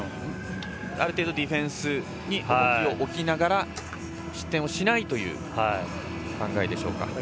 ある程度、ディフェンスに重きを置いて失点をしないという考えでしょうか。